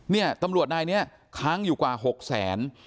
นี่ตำรวจนายนี้ค้างอยู่กว่า๖๐๐๐๐๐บาท